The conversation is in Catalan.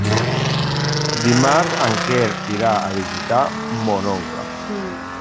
Dimarts en Quer irà a visitar mon oncle.